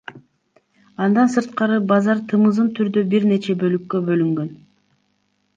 Андан сырткары базар тымызын түрдө бир нече бөлүккө бөлүнгөн.